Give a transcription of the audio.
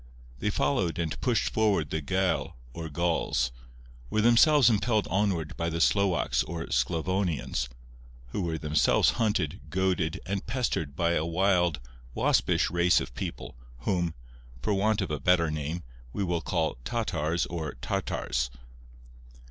They followed and pushed forward the Gael or Gauls; were themselves impelled onward by the Slowaks or Sclavonians, who were themselves hunted, goaded, and pestered by a wild, waspish race of people, whom, for want of a better name, we will call Tatars or Tartars.